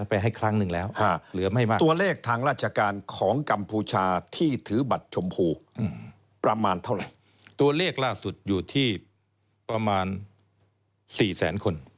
ประสุทธิ์อยู่ที่ประมาณ๔แสนคน